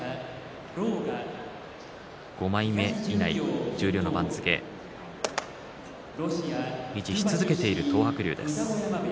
５枚目以内の十両の番付を維持し続けている東白龍です。